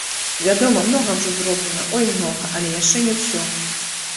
Вядома, многа ўжо зроблена, ой, многа, але яшчэ не ўсё.